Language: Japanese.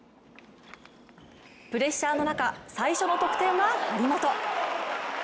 プレッシャーの中、最初の得点は張本。